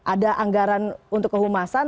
ada anggaran untuk kehumasan